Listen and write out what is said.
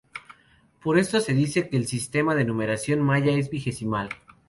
Por esto se dice que el sistema de numeración maya es vigesimal.